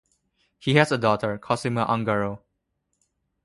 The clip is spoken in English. He has a daughter, Cosima Ungaro.